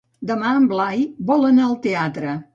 Demà en Blai vol anar al teatre.